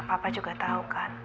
papa juga tau kan